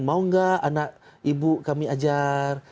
mau nggak anak ibu kami ajar